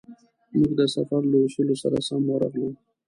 موږ د سفر له اصولو سره سم ورغلو.